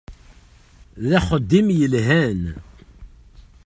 D axeddim yelhan.